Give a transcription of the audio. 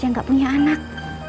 yang tidak punya anak